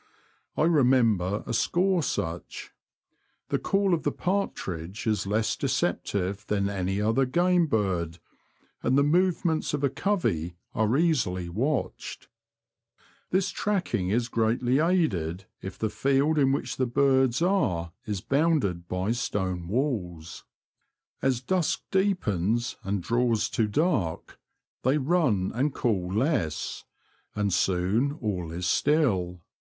I remember a score such. The call of the partridge is less deceptive than any other game bird, and the movements of a covey are easily watched. This tracking is greatly aided if the field in which the birds are is bounded by 52 The Confessions of a Poacher, stone walls. As dusk deepens and draws to dark, they run and call less, and soon all is still.